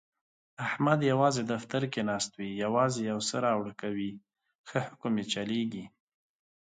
احمد کرار دفتر کې ناست وي، یووازې یوسه راوړه کوي، ښه حکم یې چلېږي.